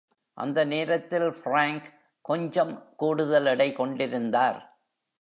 அந்த நேரத்தில் Frank கொஞ்சம் கூடுதல் எடை கொண்டிருந்தார்.